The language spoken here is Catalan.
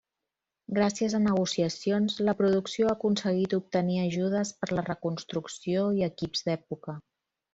Gràcies a negociacions la producció ha aconseguit obtenir ajudes per la reconstrucció i equips d'època.